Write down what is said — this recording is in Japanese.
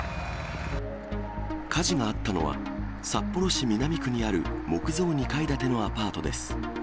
火事があったのは、札幌市南区にある木造２階建てのアパートです。